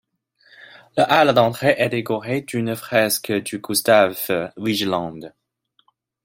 Le hall d’entrée est décoré d'une fresque de Gustav Vigeland.